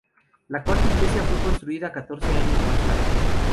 La cuarta iglesia fue construida catorce años más tarde.